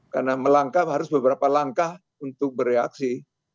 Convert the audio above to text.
karena melangkah harus beberapa langkah untuk bereaksi